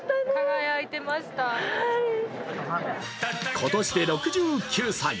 今年で６９歳。